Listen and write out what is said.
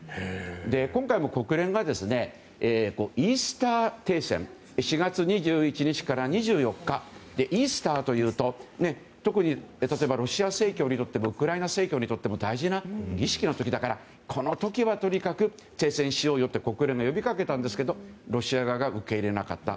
今回も国連がイースター停戦４月２１日から２４日でイースターというと例えばロシア正教にとってもウクライナ正教にとっても大事な儀式の時だからこの時はとにかく停戦しようよと国連が呼びかけたんですけどロシア側が受け入れなかった。